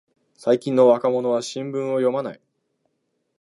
最近の若者は新聞を読まない